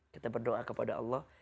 kita berdoa kepada allah